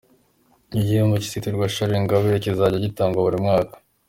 Icyo gihembwo kizitirirwa Charles Ingabire, kizajya gitangwa buri mwaka.